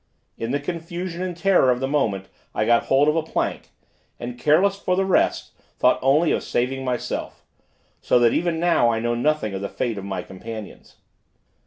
In the confusion and terror of the moment I got hold of a plank, and, careless for the rest, thought only upon saving myself, so that even now I know nothing of the fate of my companions.